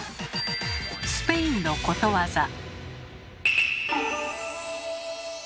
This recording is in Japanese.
スペインのことわざ。